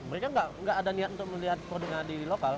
mereka tidak ada niat untuk melihat produk produknya di lokal